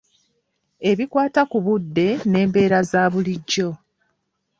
Ebikwata ku budde n'embeera za bulijjo.